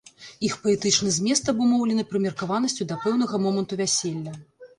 Іх паэтычны змест абумоўлены прымеркаванасцю да пэўнага моманту вяселля.